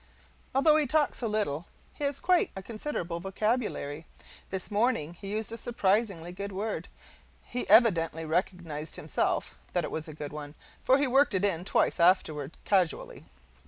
Although he talks so little, he has quite a considerable vocabulary. This morning he used a surprisingly good word. He evidently recognized, himself, that it was a good one, for he worked it in twice afterward, casually.